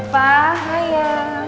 pak hai ya